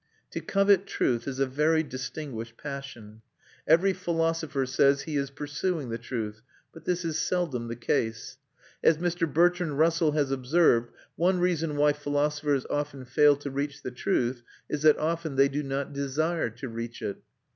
To covet truth is a very distinguished passion. Every philosopher says he is pursuing the truth, but this is seldom the case. As Mr. Bertrand Russell has observed, one reason why philosophers often fail to reach the truth is that often they do not desire to reach it.